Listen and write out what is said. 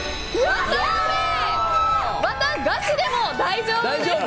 わた菓子でも大丈夫です。